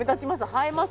映えますね。